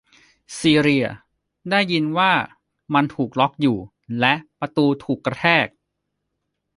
ซีเลียได้ยินว่ามันถูกล๊อคอยู่ และประตูถูกกระแทก